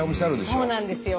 そうなんですよ。